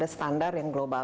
harus ada standar yang global